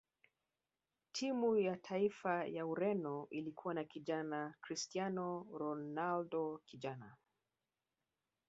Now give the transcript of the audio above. timu ya taifa ya ureno ilikuwa na kijana cristiano ronaldo kijana